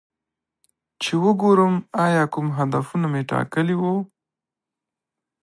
چې وګورم ایا کوم هدفونه مې ټاکلي وو